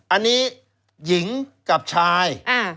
อันนี้หญิงกับชาย